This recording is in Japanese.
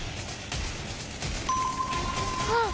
あっ。